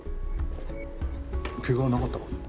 怪我はなかったか？